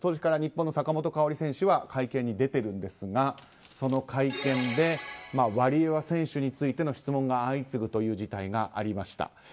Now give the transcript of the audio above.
日本の坂本花織選手は会見に出ているんですがその会見でワリエワ選手についての質問が相次ぐという事態がありました。